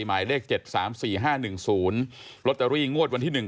หมายเลขเจ็ดสามสี่ห้าหนึ่งศูนย์ลอตเตอรี่งวดวันที่หนึ่ง